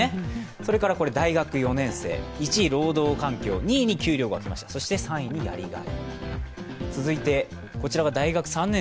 それから大学４年生は、１位、労働環境、２位に給料が来ました、３位にやりがい。